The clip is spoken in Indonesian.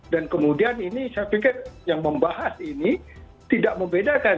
dan kemudian ini saya pikir yang membahas ini tidak membedakan